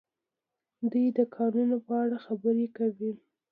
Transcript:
دوی د کانونو په اړه خبرې کوي.